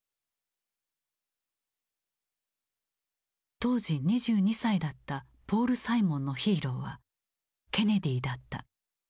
当時２２歳だったポール・サイモンのヒーローはケネディだった。